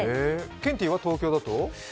ケンティーは東京だと？